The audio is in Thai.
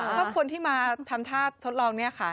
ชอบคนที่มาทำท่าทดลองเนี่ยค่ะ